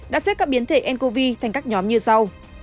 đã xếp các biến thể ncov thành các nhóm như sau